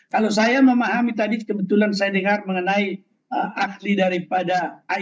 kalau saya memahami tadi kebetulan saya dengar mengenai ahli daripada